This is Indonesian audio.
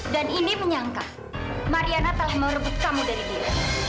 dan indy menyangka mariana telah merebut kamu dari dia